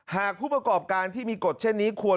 หากผู้ประกอบการที่มีกฎเช่นนี้ควร